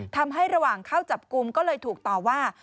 ระหว่างเข้าจับกลุ่มก็เลยถูกต่อว่า